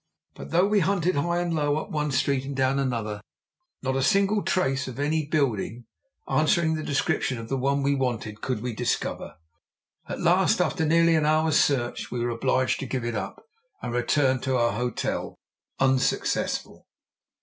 But though we hunted high and low, up one street and down another, not a single trace of any building answering the description of the one we wanted could we discover. At last, after nearly an hour's search, we were obliged to give it up, and return to our hotel, unsuccessful.